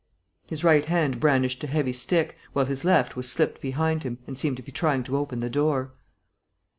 His right hand brandished a heavy stick, while his left was slipped behind him and seemed to be trying to open the door.